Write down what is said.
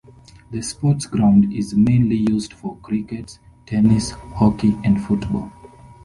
The sports ground is mainly used for cricket, tennis, hockey and football.